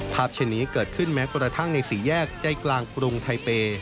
เช่นนี้เกิดขึ้นแม้กระทั่งในสี่แยกใจกลางกรุงไทเปย์